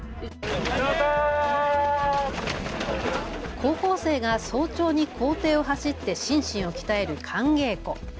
高校生が早朝に校庭を走って心身を鍛える寒稽古。